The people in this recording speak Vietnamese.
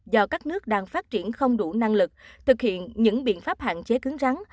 do các nước đang phát triển không đủ năng lực thực hiện những biện pháp hạn chế cứng rắn